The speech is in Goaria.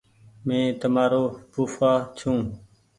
مينٚ تمآرو ڦوڦآ ڇوٚنٚ